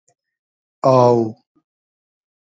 آو